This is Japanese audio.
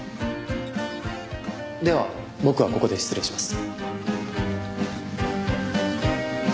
では僕はここで失礼します。